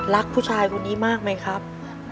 รักผู้ชายคนนี้มากไหมครับ